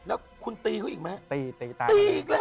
แล้วคุณตีเขาอีกมั้ย